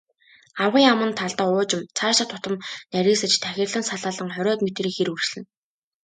Агуй аман талдаа уужим, цаашлах тутам нарийсаж тахирлан салаалан, хориод метрийн хэр үргэлжилнэ.